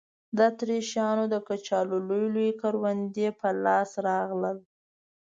د اتریشیانو د کچالو لوی لوی کروندې په لاس راغلل.